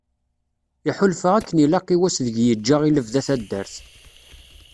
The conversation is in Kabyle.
Iḥulfa akken ilaq i wass deg yeğğa i lebda taddart.